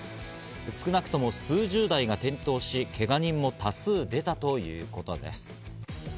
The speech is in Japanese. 少なくとも数十台が転倒し、けが人も多数、出たということです。